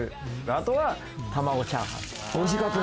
あとは玉子チャーハン。